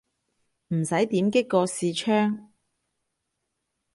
唔使點擊個視窗